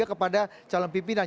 kepada calon pimpinan